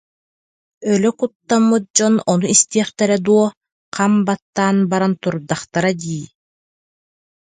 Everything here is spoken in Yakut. Өлө куттаммыт дьон ону истиэхтэрэ дуо, хам баттаан баран турдахтара дии